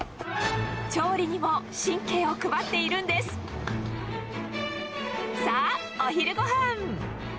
調理にも神経を配っているんですさぁお昼ごはん！